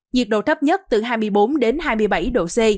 nhiệt độ thấp nhất từ hai mươi bốn đến hai mươi bảy độ c